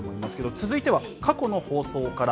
続いては、過去の放送から。